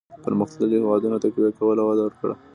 پرمختلليو هېوادونو تقويه کولو وده ورکړه.